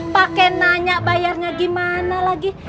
pak ken nanya bayarnya gimana lagi